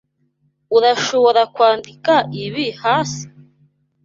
Urashobora kwandika ibi hasi?